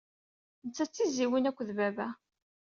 Netta d tizzyiwin akked baba.